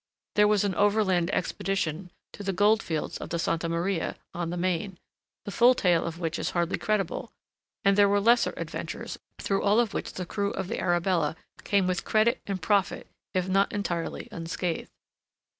There was an overland expedition to the goldfields of Santa Maria, on the Main, the full tale of which is hardly credible, and there were lesser adventures through all of which the crew of the Arabella came with credit and profit if not entirely unscathed.